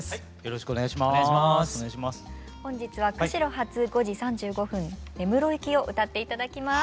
本日は「釧路発５時３５分根室行き」を歌って頂きます。